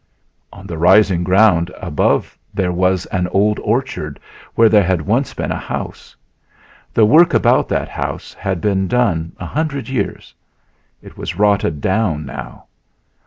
"On the rising ground above there was an old orchard where there had once been a house. The work about that house had been done a hundred years. It was rotted down now.